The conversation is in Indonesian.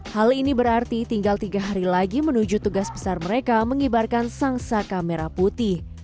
hal ini berarti tinggal tiga hari lagi menuju tugas besar mereka mengibarkan sang saka merah putih